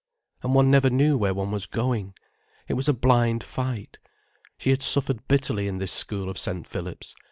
And one never knew where one was going. It was a blind fight. She had suffered bitterly in this school of St. Philip's.